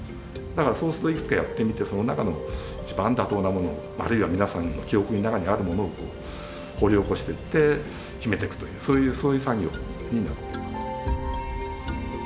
だからそうするといくつかやってみてその中の一番妥当なものをあるいは皆さんの記憶の中にあるものを掘り起こしていって決めていくというそういう作業になっています。